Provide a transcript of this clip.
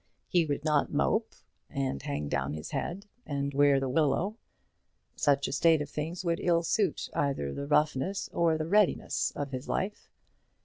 He would not mope, and hang down his head, and wear the willow. Such a state of things would ill suit either the roughness or the readiness of his life.